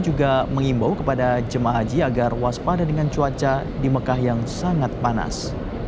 juga mengimbau kepada jemaah haji agar waspada dengan cuaca di mekah yang sangat panas